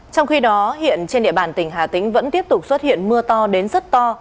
trong khi đó hiện trên địa bàn tỉnh hà tĩnh vẫn tiếp tục xuất hiện mưa to đến rất to